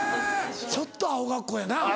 ちょっとアホ学校やな。